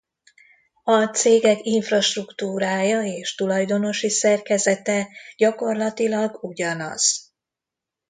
A cégek infrastruktúrája és tulajdonosi szerkezete gyakorlatilag ugyanaz.